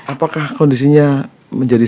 apakah kondisinya menjadi